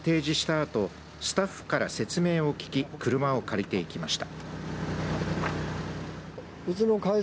あとスタッフから説明を聞き車を借りていきました。